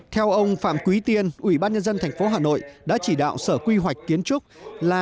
theo ông phạm quý tiên ủy ban nhân dân tp hà nội đã chỉ đạo sở quy hoạch kiến trúc là